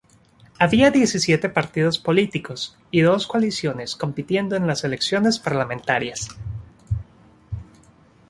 Había diecisiete partidos políticos y dos coaliciones compitiendo en las elecciones parlamentarias.